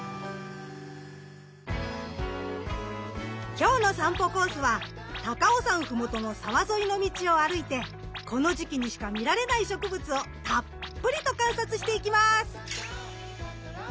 今日の散歩コースは高尾山ふもとの沢沿いの道を歩いてこの時期にしか見られない植物をたっぷりと観察していきます。